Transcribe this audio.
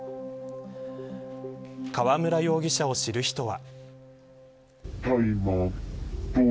川村容疑者を知る人は。